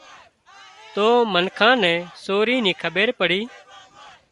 تو منکان نين سورِي نِي کٻير پڙِي